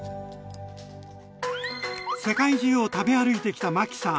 世界中を食べ歩いてきたマキさん。